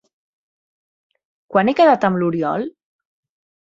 Quan he quedat amb l'Oriol?